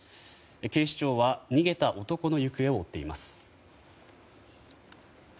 警視庁は逃げた男の行方を追っています。